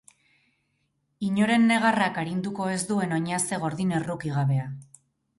Inoren negarrak arinduko ez duen oinaze gordin errukigabea.